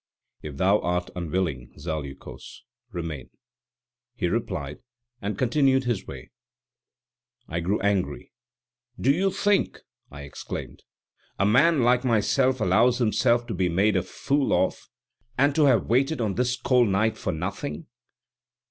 "If thou art unwilling, Zaleukos, remain," he replied, and continued his way. I grew angry. "Do you think," I exclaimed, "a man like myself allows himself to be made a fool of, and to have waited on this cold night for nothing?"